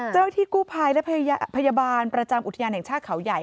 เจ้าหน้าที่กู้ภัยและพยาบาลประจำอุทยานแห่งชาติเขาใหญ่